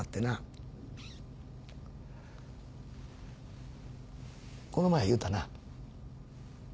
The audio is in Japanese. この前言うたな。